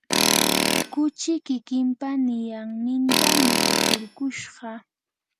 kuchi kikimpa niyanninta mikukurkushqa.